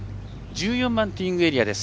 １４番のティーイングエリアです。